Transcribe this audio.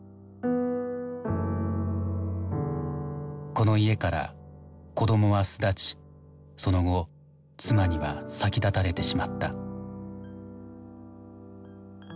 この家から子どもは巣立ちその後妻には先立たれてしまった。